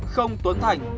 không tuấn thành